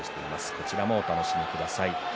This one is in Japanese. こちらもお楽しみください。